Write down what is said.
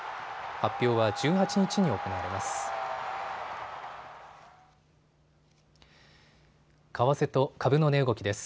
発表は１８日に行われます。